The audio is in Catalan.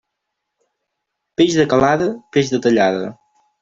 Peix de calada, peix de tallada.